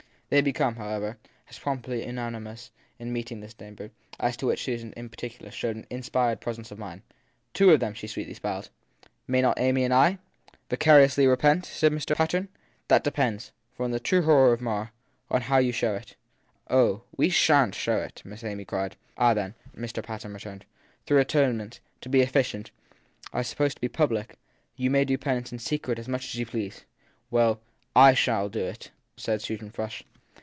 They became, however, as promptly unanimous in meeting this danger, as to which Miss Susan in particular showed an inspired presence of mind. Two of them ! she sweetly smiled. May not Amy and I ? Vicariously repent ? said Mr. Patten. That depends for the true honour of Marr on how you show it. Oh, we shan t show it ! Miss Amy cried. Ah, then, Mr. Patten returned, though atonements, to be efficient, are supposed to be public, you may do penance in secret as much as you please ! Well, / shall do it, said Susan Frush.